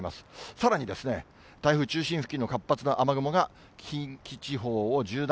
さらに、台風中心付近の活発な雨雲が、近畿地方を縦断。